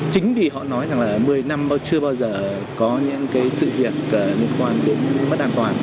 chính vì họ nói rằng là một mươi năm chưa bao giờ có những sự việc liên quan đến mất an toàn